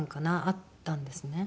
あったんですね。